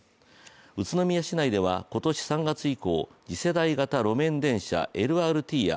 宇都宮市内では今年３月以降、次世代型路面電車＝ＬＲＴや